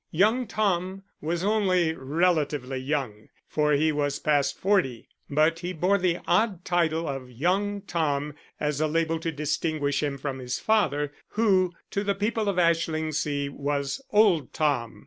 Young Tom was only relatively young, for he was past forty, but he bore the odd title of Young Tom as a label to distinguish him from his father, who to the people of Ashlingsea was old Tom.